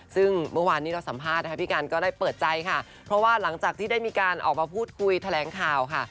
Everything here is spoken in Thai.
ซึ่งเมื่อวานนี้เราสัมภาษณ์นะคะพี่กันก็ได้เปิดใจค่ะเพราะว่าหลังจากที่ได้มีการออกมาพูดคุยแถลงข่าวค่ะ